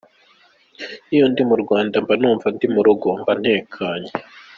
Iyo ndi mu Rwanda mba numva ndi mu rugo, mba ntekanye.